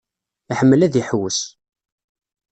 Iḥemmel ad iḥewwes.